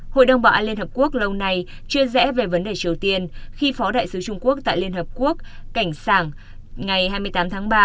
hội đồng bảo an liên hợp quốc lâu nay chia rẽ về vấn đề triều tiên khi phó đại sứ trung quốc tại liên hợp quốc cảnh sảng ngày hai mươi tám tháng ba